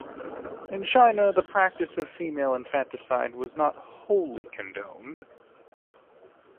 In China, the practice of female infanticide was not wholly condoned.